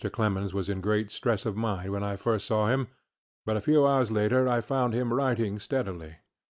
Clemens was in great stress of mind when I first saw him, but a few hours later I found him writing steadily.